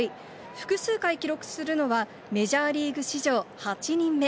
複数回記録するのは、メジャーリーグ史上８人目。